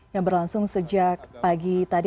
yang berlangsung sejak pagi tadi